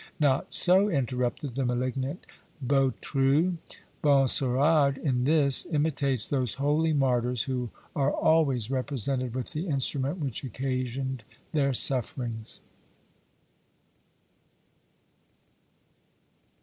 "Not so," interrupted the malignant Bautru, "Benserade in this imitates those holy martyrs who are always represented with the instrument which occasioned their sufferings."